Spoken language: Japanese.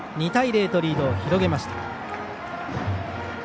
２対０とリードを広げました。